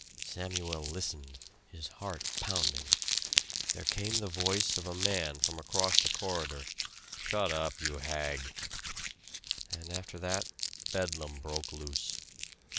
Samuel listened, his heart pounding. There came the voice of a man from across the corridor "Shut up, you hag!" And after that bedlam broke loose.